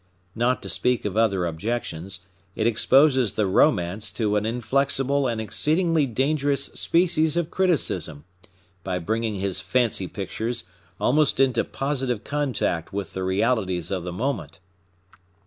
Not to speak of other objections, it exposes the romance to an inflexible and exceedingly dangerous species of criticism, by bringing his fancy pictures almost into positive contact with the realities of the moment.